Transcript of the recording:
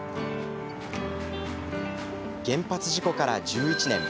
原発事故から１１年。